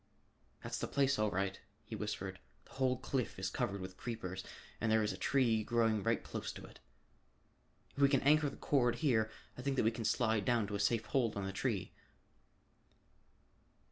"That's the place all right," he whispered. "The whole cliff is covered with creepers and there is a tree growing right close to it. If we can anchor the cord here, I think that we can slide down to a safe hold on the tree."